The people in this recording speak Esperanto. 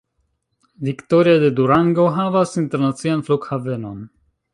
Victoria de Durango havas internacian flughavenon.